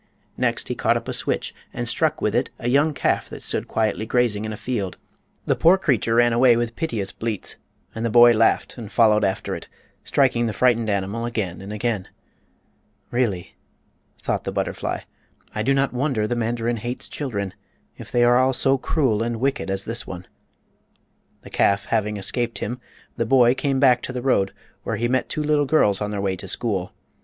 Next he caught up a switch and struck with it a young calf that stood quietly grazing in a field. The poor creature ran away with piteous bleats, and the boy laughed and followed after it, striking the frightened animal again and again. "Really," thought the butterfly, "I do not wonder the mandarin hates children, if they are all so cruel and wicked as this one." The calf having escaped him the boy came back to the road, where he met two little girls on their way to school.